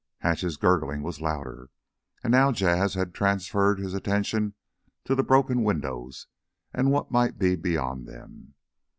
Hatch's gurgling was louder. And now Jas' had transferred his attention to the broken windows and what might be beyond them.